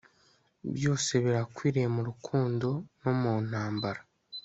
byose birakwiye mu rukundo no mu ntambara